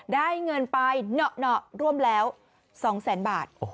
ได้เงินไปหน่ะร่วมแล้ว๒๐๐๐๐๐บาท